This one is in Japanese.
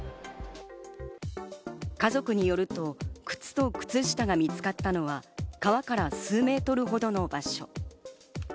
家族によると、靴と靴下が見つかったのは川から数メートルほどの場所。